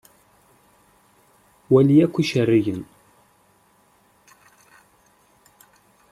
Wali akk iceggiren.